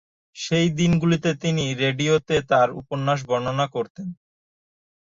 সেই দিনগুলিতে তিনি রেডিওতে তাঁর উপন্যাস বর্ণনা করতেন।